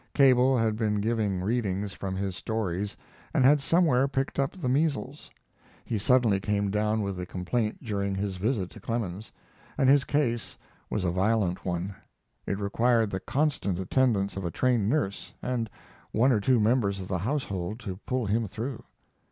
Cable had been giving readings from his stories and had somewhere picked up the measles. He suddenly came down with the complaint during his visit to Clemens, and his case was a violent one. It required the constant attendance of a trained nurse and one or two members of the household to pull him through.